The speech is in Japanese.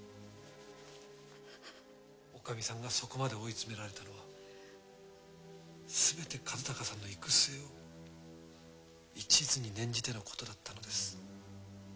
女将さんがそこまで追い詰められたのはすべて和鷹さんの行く末を一途に念じてのことだったのです。